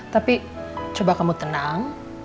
tapi coba kamu tenang